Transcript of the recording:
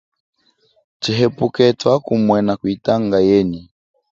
Tshihepuke twakumumwena kuyitanga yenyi.